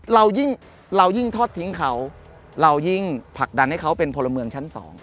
เรายิ่งเรายิ่งทอดทิ้งเขาเรายิ่งผลักดันให้เขาเป็นพลเมืองชั้น๒